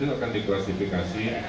itu akan diklasifikasi